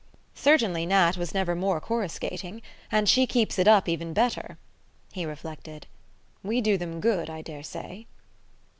"Certainly Nat was never more coruscating. And she keeps it up even better." He reflected. "We do them good, I daresay."